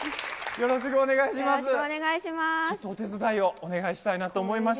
よろしくお願いします。